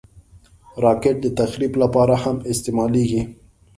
راکټ د تخریب لپاره هم استعمالېږي